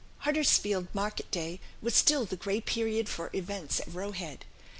Huddersfield market day was still the great period for events at Roe Head.